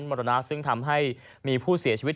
มรณะซึ่งทำให้มีผู้เสียชีวิต